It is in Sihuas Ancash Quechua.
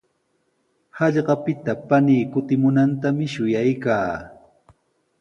Hallqapita panii kutimunantami shuyaykaa.